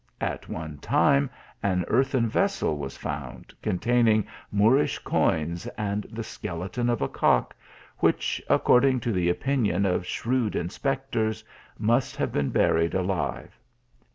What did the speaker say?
At one time, an earthen vessel was found, containing Moorish coins and the skeleton of a cock, which, ac cording to the opinion of shrewd inspectors, must have been buried alive.